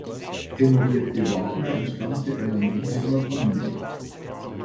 Henriette Wagner entstammte einer Mannheimer Familie.